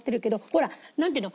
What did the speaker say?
ほらなんていうの？